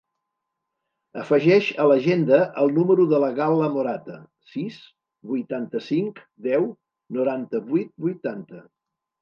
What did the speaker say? Afegeix a l'agenda el número de la Gal·la Morata: sis, vuitanta-cinc, deu, noranta-vuit, vuitanta.